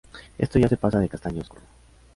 Esto ya se pasa de castaño oscuro